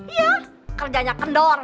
iya kerjanya kendor